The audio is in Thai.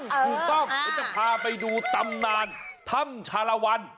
ถูกต้องเดี๋ยวจะพาไปดูตำนานถ้ำชาลวัน